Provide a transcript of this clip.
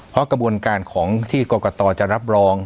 เพราะกระบวนการของที่กรกตจะรับรอง